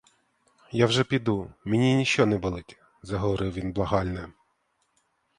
Я вже піду, мені ніщо не болить, — заговорив він благальне.